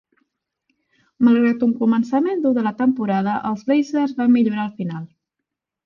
Malgrat un començament dur de la temporada, els Blazers van millorar al final.